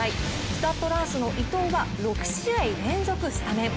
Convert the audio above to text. スタッド・ランスの伊東は６試合連続スタメン。